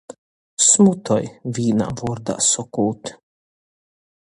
Smutoj, vīnā vuordā sokūt.